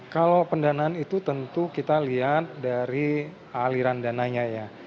kalau pendanaan itu tentu kita lihat dari aliran dananya ya